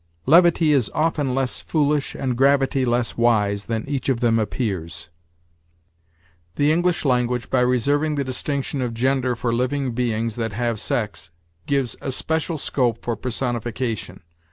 "Levity is often less foolish and gravity less wise than each of them appears." "The English language, by reserving the distinction of gender for living beings that have sex, gives especial scope for personification.